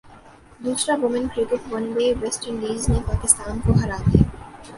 دوسرا women cricket one day West Indies نےپاکستان کوہرادیا